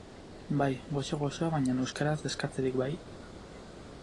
Bai, goxo goxoa baina euskaraz eskatzerik bai?